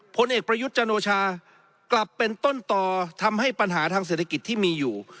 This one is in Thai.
ผลเอกประยุทธ์จันโอชากลับเป็นต้นต่อทำให้ปัญหาทางเศรษฐกิจที่มีอยู่